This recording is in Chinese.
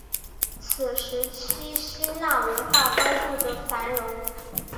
此时期希腊文化高度的繁荣